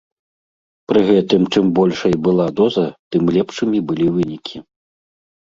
Пры гэтым чым большай была доза, тым лепшымі былі вынікі.